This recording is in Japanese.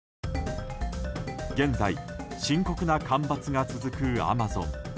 現在、深刻な干ばつが続くアマゾン。